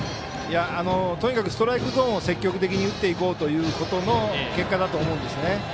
とにかくストライクゾーンを積極的に打っていこうということの結果だと思うんです。